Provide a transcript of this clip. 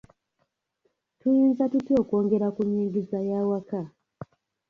Tuyinza tutya okwongera ku nnyingiza y'awaka?